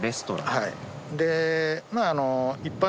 はい。